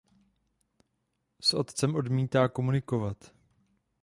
S otcem odmítá komunikovat.